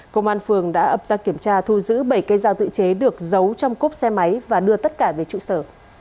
công an phường đã ập ra kiểm tra thu giữ bảy cây dao tự chế được giấu trong cốp xe máy và đưa tất cả về trụ sở